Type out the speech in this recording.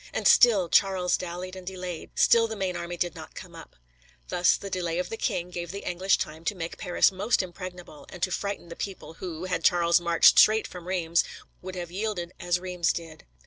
And still Charles dallied and delayed, still the main army did not come up. Thus the delay of the king gave the English time to make Paris almost impregnable and to frighten the people who, had Charles marched straight from Reims, would have yielded as Reims did.